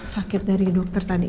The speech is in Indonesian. sakit dari dokter tadi